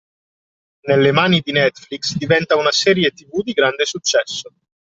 Nelle mani di Netflix diventa una serie tv di grande successo.